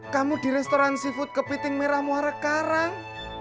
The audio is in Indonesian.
kamu di restoran seafood kepiting merah muara karang